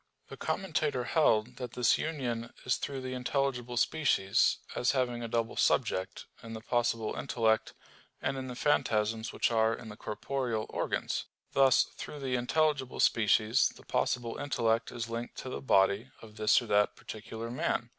The Commentator held that this union is through the intelligible species, as having a double subject, in the possible intellect, and in the phantasms which are in the corporeal organs. Thus through the intelligible species the possible intellect is linked to the body of this or that particular man.